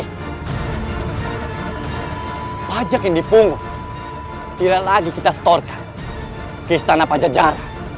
tapi pajak yang dipunggung tidak lagi kita setorkan ke istana pajajara